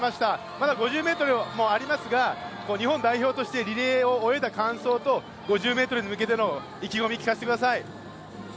まだ５０ｍもありますが日本代表としてリレーを終えた感想と５０ｍに向けての意気込み聞かせてください。